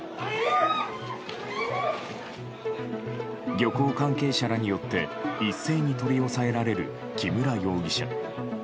漁港関係者らによって一斉に取り押さえられる木村容疑者。